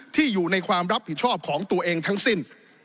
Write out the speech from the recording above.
อยู่ในความรับผิดชอบของตัวเองทั้งสิ้น